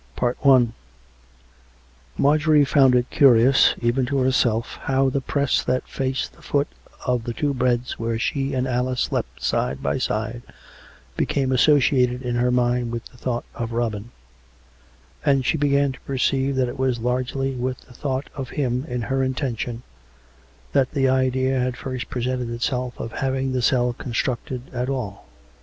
CHAPTER VII Marjorie found it curious, even to herself, how the press that faced the foot of the two beds where she and Alice slept side by side, became associated in her mind with the thought of Robin; and she began to perceive that it was largely with the thought of him in her intention that the idea had first presented itself of having the cell constructed at all.